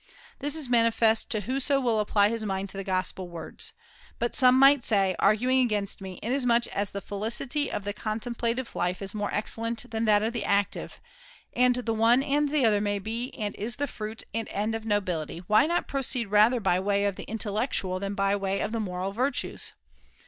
This is manifest to whoso will apply his mind to the Gospel words. But some might say, arguing against me : Inasmuch as the felicity of the contemplative life is more excellent than that of the active, and the one and the other may be and is the fruit and end of nobility, why not proceed rather by way of the intellectual than by way of the moral virtues